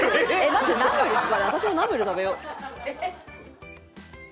待って私もナムル食べよう。